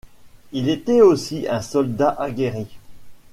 Il était aussi un soldat aguerri.